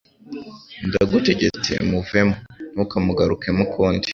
ndagutegetse, muvemo, ntukamugarukemo ukundi.»